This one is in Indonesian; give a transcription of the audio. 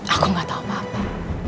aku nggak tahu apa apa